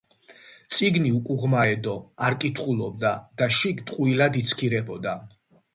წიგნი უკუღმა ედო, არ კითხულობდა და შიგ ტყუილად იცქირებოდა.